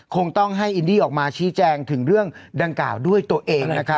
คงต้องให้อินดี้ออกมาชี้แจงถึงเรื่องดังกล่าวด้วยตัวเอง